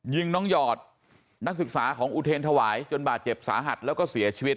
ยิงน้องหยอดนักศึกษาของอุเทรนถวายจนบาดเจ็บสาหัสแล้วก็เสียชีวิต